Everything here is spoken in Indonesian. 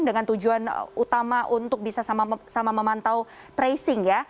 dengan tujuan utama untuk bisa sama sama memantau tracing